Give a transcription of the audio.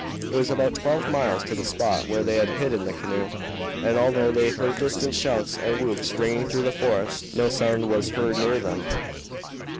It was about twelve miles to the spot where they had hidden the canoe, and although they heard distant shouts and whoops ringing through the forest, no sound was heard near them.